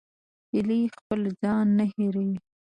هیلۍ خپل ځای نه هېروي